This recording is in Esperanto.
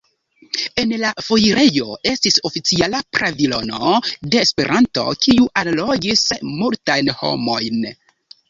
En la foirejo estis oficiala pavilono de Esperanto, kiu allogis multajn homojn.